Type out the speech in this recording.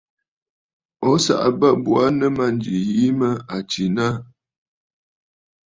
O saꞌa bə̂ bo aa nɨ mânjì yìi mə à tsìnə aà.